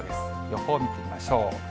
予報を見てみましょう。